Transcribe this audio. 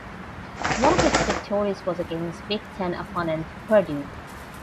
One of its victories was against Big Ten opponent Purdue.